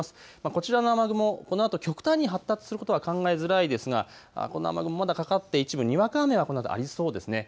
こちらの雨雲、これから極端に発達することは考えにくいですがまだ雨雲がかかって一部、にわか雨はありそうです。